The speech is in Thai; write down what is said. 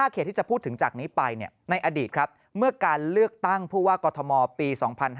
เขตที่จะพูดถึงจากนี้ไปในอดีตครับเมื่อการเลือกตั้งผู้ว่ากอทมปี๒๕๕๙